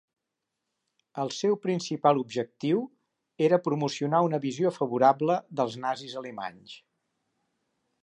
El seu principal objectiu era promocionar una visió favorable dels nazis alemanys.